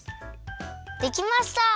できました！